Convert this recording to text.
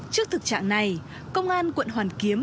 trước thực trạng này công an quận hoàn kiếm